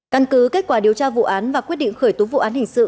căn cứ kết quả điều tra vụ án và quyết định khởi tố vụ án hình sự